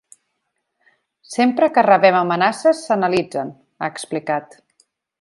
“Sempre que rebem amenaces s’analitzen”, ha explicat.